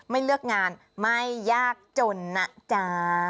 ไม่เลือกงานไม่ยากจนนะจ๊ะ